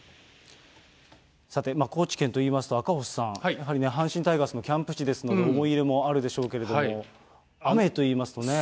さて、高知県といいますと、赤星さん、やはりね、阪神タイガースのキャンプ地ですので、思い入れもあるでしょうけれども、雨といいますとね。